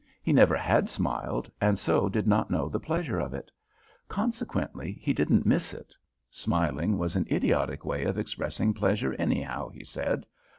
He never had smiled, and so did not know the pleasure of it. Consequently he didn't miss it. Smiling was an idiotic way of expressing pleasure anyhow, he said.